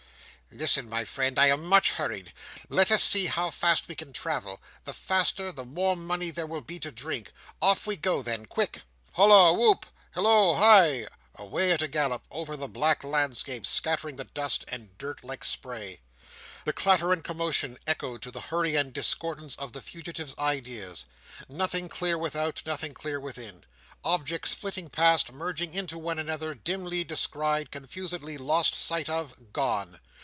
"Listen, my friend. I am much hurried. Let us see how fast we can travel! The faster, the more money there will be to drink. Off we go then! Quick!" "Halloa! whoop! Halloa! Hi!" Away, at a gallop, over the black landscape, scattering the dust and dirt like spray! The clatter and commotion echoed to the hurry and discordance of the fugitive's ideas. Nothing clear without, and nothing clear within. Objects flitting past, merging into one another, dimly descried, confusedly lost sight of, gone!